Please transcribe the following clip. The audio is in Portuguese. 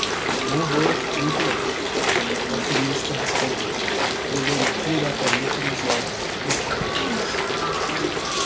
"Não vou muito longe?" o alquimista respondeu? olhando diretamente nos olhos dos cavaleiros.